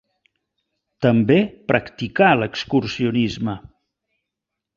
També practicà l’excursionisme.